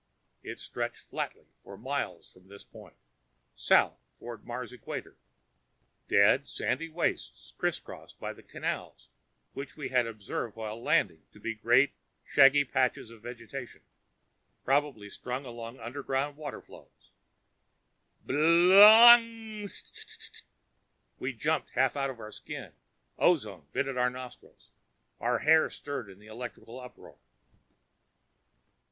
It stretched flatly for miles from this point, south toward Mars' equator dead sandy wastes, crisscrossed by the "canals," which we had observed while landing to be great straggly patches of vegetation, probably strung along underground waterflows. BLONG G G G ... st st st ... We jumped half out of our skins. Ozone bit at our nostrils. Our hair stirred in the electrical uproar.